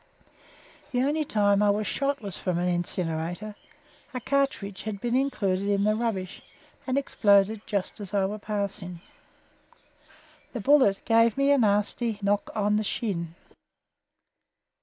The only time I was shot was from an incinerator; a cartridge had been included in the rubbish and exploded just as I was passing. The bullet gave me a nasty knock on the shin.